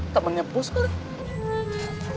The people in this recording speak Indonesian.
temennya bos kali ya